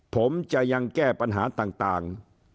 ผมจะยังแก้ปัญหาต่าง